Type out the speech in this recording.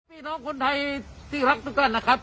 พี่น้องคนไทยที่รักทุกท่านนะครับ